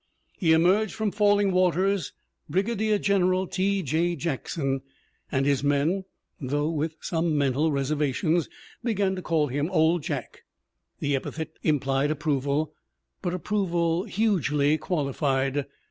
He emerged from Falling Waters Brig adier General T. J. Jackson, and his men, though with some mental reservations, began to call him 'Old Jack.' The epithet implied approval, but approval hugely qual ified.